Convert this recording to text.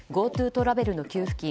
ＧｏＴｏトラベルの給付金